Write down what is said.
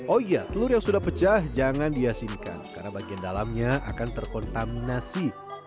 oh iya telur yang sudah pecah jangan diasinkan karena bagian dalamnya akan terkontaminasi